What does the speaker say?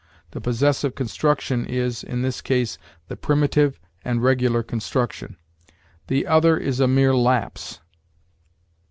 The possessive construction is, in this case, the primitive and regular construction; THE OTHER IS A MERE LAPSE.